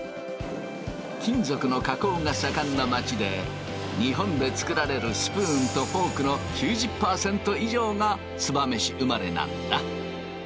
金属の加工が盛んな町で日本で作られるスプーンとフォークの９０％以上が燕市生まれなんだ。